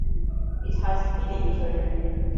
It has hilly terrain.